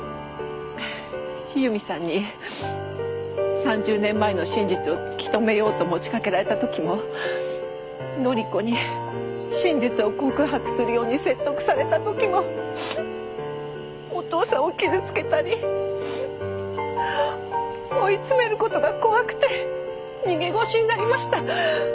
由美さんに３０年前の真実を突き止めようと持ちかけられた時も乃里子に真実を告白するように説得された時もお義父さんを傷つけたり追い詰める事が怖くて逃げ腰になりました。